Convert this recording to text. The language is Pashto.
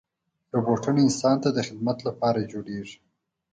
روبوټونه انسان ته د خدمت لپاره جوړېږي.